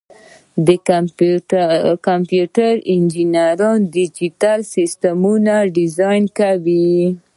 د کمپیوټر انجینران ډیجیټل سیسټمونه ډیزاین کوي.